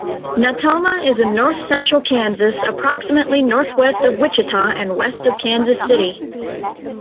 Natoma is in north-central Kansas approximately northwest of Wichita and west of Kansas City.